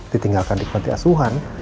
ditinggalkan di kuantitas suhan